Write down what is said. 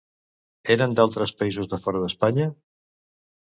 Eren d'altres països de fora d'Espanya?